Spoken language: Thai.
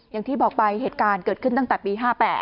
อย่างที่บอกไปเหตุการณ์เกิดขึ้นตั้งแต่ปี๕๘